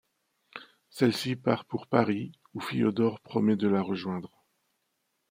Celle-ci part pour Paris où Fiodor promet de la rejoindre.